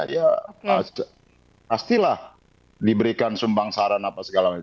ya pastilah diberikan sumpang saran apa segala macam